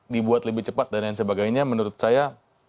dibuat lebih cepat dan lain sebagainya menurut saya